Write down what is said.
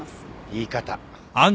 言い方。